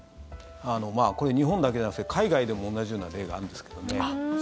これ、日本だけじゃなくて海外でも同じような例があるんですけどね。